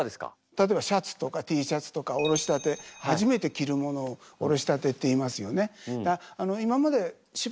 例えばシャツとかＴシャツとかおろしたて初めて着るものをおろしたてって言いますよね。